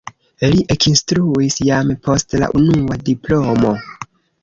Li ekinstruis jam post la unua diplomo.